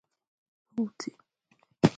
ポーチ、